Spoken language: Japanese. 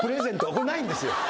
これないんですよ。